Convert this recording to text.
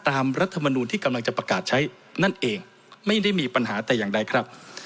รัฐมนูลที่กำลังจะประกาศใช้นั่นเองไม่ได้มีปัญหาแต่อย่างใดครับ